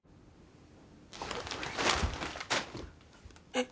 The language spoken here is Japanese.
えっ？